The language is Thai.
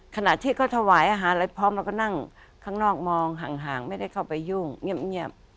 ขณะที่เขาถวายอาหารอะไรพร้อมเราก็นั่งข้างนอกมองห่างไม่ได้เข้าไปยุ่งเงียบ